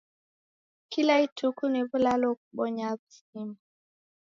Kila ituku ni w'ulalo ghobonya w'uzima.